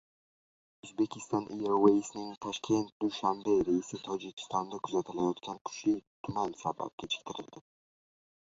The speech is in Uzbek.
Uzbekistan Airways’ning Toshkent—Dushanbe reysi Tojikistonda kuzatilayotgan kuchli tuman sabab kechiktirildi